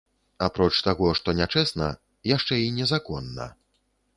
Апроч таго, што нячэсна, яшчэ й незаконна.